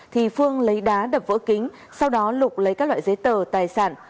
thì phương lấy đá đập vỡ kính sau đó lục lấy các loại giấy tờ tài sản